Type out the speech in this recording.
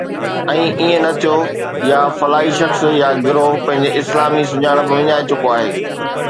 ۽ ائين نه ٿيو آهي، يا فلاڻي شخص يا گروهه پنهنجي اسلامي سڃاڻپ وڃائي چڪو آهي